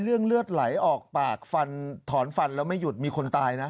เลือดไหลออกปากฟันถอนฟันแล้วไม่หยุดมีคนตายนะ